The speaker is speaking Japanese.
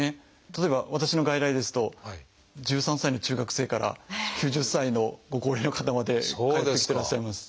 例えば私の外来ですと１３歳の中学生から９０歳のご高齢の方まで通ってきてらっしゃいます。